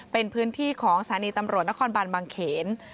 เป็นพื้นที่ของสถานีตำรวจนครบานบางเขน